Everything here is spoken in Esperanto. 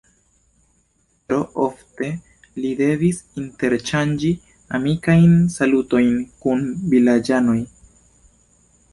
Tro ofte li devis interŝanĝi amikajn salutojn kun vilaĝanoj.